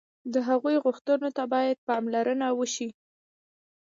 د هغوی غوښتنو ته باید پاملرنه وشي.